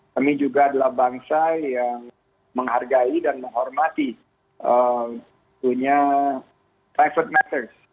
kami juga adalah bangsa yang menghargai dan menghormati punya private matters